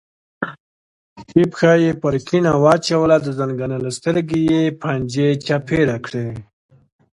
ښي پښه یې پر کیڼه واچوله، د زنګانه له سترګې یې پنجې چاپېره کړې.